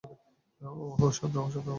ওহ, ওহ, শান্ত হও, শান্ত হও।